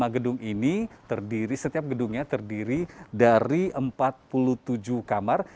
lima gedung ini terdiri setiap gedungnya terdiri dari empat puluh tujuh kamar